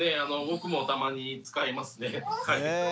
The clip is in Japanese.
僕もたまに使いますね。